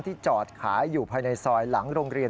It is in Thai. จอดขายอยู่ภายในซอยหลังโรงเรียน